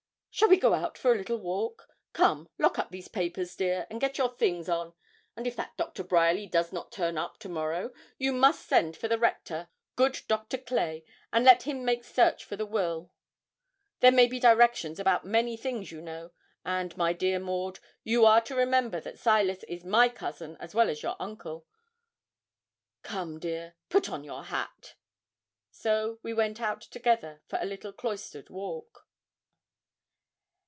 'Shall we go out for a little walk? Come, lock up these papers, dear, and get your things on; and if that Dr. Bryerly does not turn up to morrow, you must send for the Rector, good Doctor Clay, and let him make search for the will there may be directions about many things, you know; and, my dear Maud, you are to remember that Silas is my cousin as well as your uncle. Come, dear, put on your hat.' So we went out together for a little cloistered walk.